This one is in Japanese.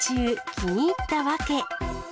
気に入った訳。